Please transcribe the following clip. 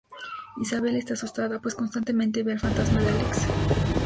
Isabel está asustada pues constantemente ve al fantasma de Alex.